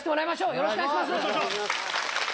よろしくお願いします。